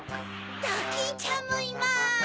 ドキンちゃんもいます！